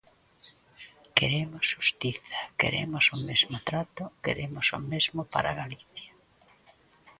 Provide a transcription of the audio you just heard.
Queremos xustiza, queremos o mesmo trato, queremos o mesmo para Galiza.